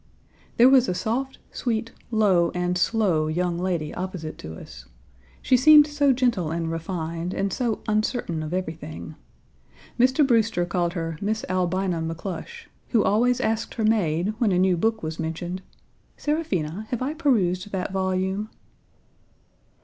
There was a soft, sweet, low, and slow young lady opposite to us. She seemed so gentle and refined, and so uncertain of everything. Mr. Brewster called her Miss Albina McClush, who always asked her maid when a new book was mentioned, "Seraphina, have I perused that volume?"